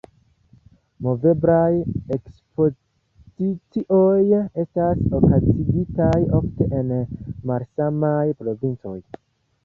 Moveblaj ekspozicioj estas okazigitaj ofte en malsamaj provincoj.